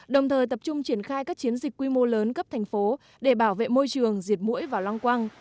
đồng thời tập trung triển khai các chiến dịch quy mô lớn cấp thành phố để bảo vệ môi trường diệt mũi và lăng quang